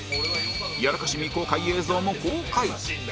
やらかし未公開映像も公開